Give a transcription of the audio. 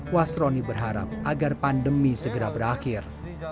wasroni berharap agar pandemi segera berakhir